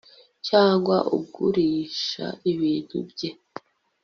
cyangwa ugurisha ibintu bye